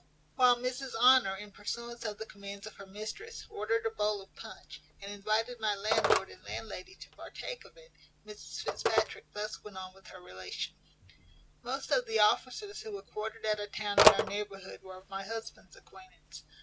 While Mrs Honour, in pursuance of the commands of her mistress, ordered a bowl of punch, and invited my landlord and landlady to partake of it, Mrs Fitzpatrick thus went on with her relation. "Most of the officers who were quartered at a town in our neighbourhood were of my husband's acquaintance.